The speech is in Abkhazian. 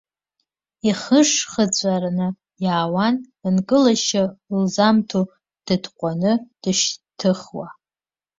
Ихышхыҵәаны иаауан нкылашьа лзамҭо, дытҟәаны дышьҭыхуа.